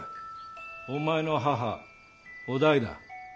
お前の母於大だ。